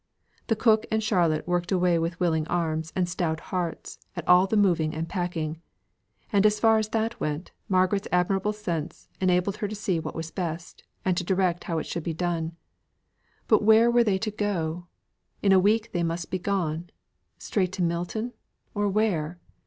The cook and Charlotte worked away with willing arms and stout hearts at all the moving and packing; and as far as that went, Margaret's admirable sense enabled her to see what was best, and to direct how it should be done. But where were they to go to? In a week they must be gone. Straight to Milton, or where?